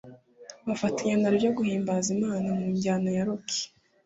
bafatanya naryo guhimbaza Imana mu njyana ya Rock